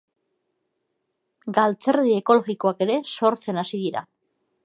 Galtzerdi ekologikoak ere sortzen hasi dira.